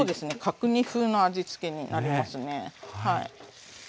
角煮風な味つけになりますね。